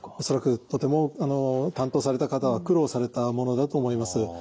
恐らくとても担当された方は苦労されたものだと思います。